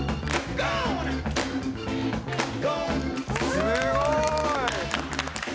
すごーい！